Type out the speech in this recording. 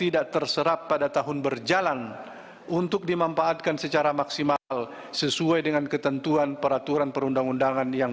dan bpih sebanyak delapan orang